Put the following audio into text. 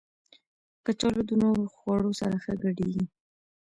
کچالو د نورو خوړو سره ښه ګډېږي